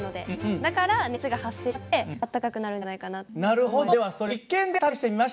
だから熱が発生しあってあったかくなるんじゃないかなって思います。